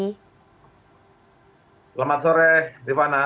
selamat sore mbak nana